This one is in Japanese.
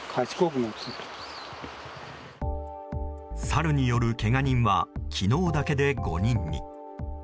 サルによるけが人は昨日だけで５人に。